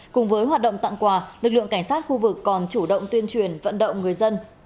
cùng với hoạt động tặng quà lực lượng cảnh sát khu vực còn chủ động tuyên truyền vận động người dân